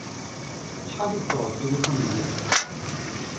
Acḥal i d-tuɣeḍ tilifun-nni-inek?